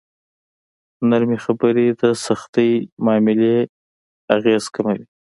نرمې خبرې د سختې معاملې اغېز کموي.